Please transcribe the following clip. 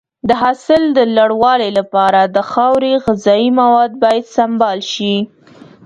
د حاصل د لوړوالي لپاره د خاورې غذایي مواد باید سمبال شي.